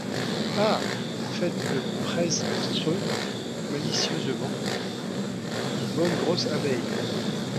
Ah ! feit le prebstre malicieusement, une bonne grosse abbaye…